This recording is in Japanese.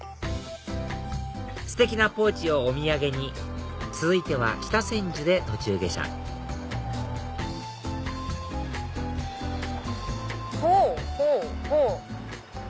ステキなポーチをお土産に続いては北千住で途中下車ほぉほぉほぉ！